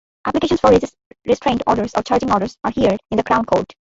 Applications for Restraint Orders or Charging Orders are heard in the Crown Court.